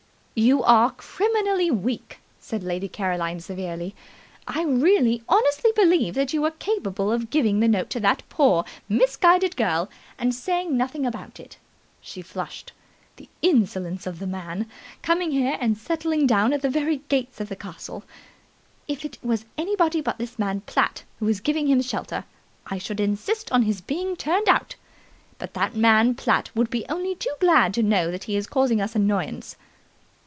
"You are criminally weak," said Lady Caroline severely. "I really honestly believe that you were capable of giving the note to that poor, misguided girl, and saying nothing about it." She flushed. "The insolence of the man, coming here and settling down at the very gates of the castle! If it was anybody but this man Platt who was giving him shelter I should insist on his being turned out. But that man Platt would be only too glad to know that he is causing us annoyance."